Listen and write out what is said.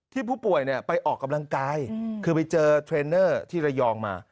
ผู้ป่วยไปออกกำลังกายคือไปเจอเทรนเนอร์ที่ระยองมา